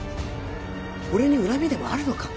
俺に恨みでもあるのか？